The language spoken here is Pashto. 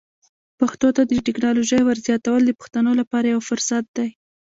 پښتو ته د ټکنالوژۍ ور زیاتول د پښتنو لپاره یو فرصت دی.